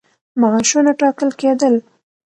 معاشونه ټاکل کېدل.